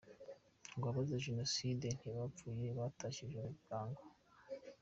Ngo abazize jenoside ntibapfuye batashye ijuru bwangu ?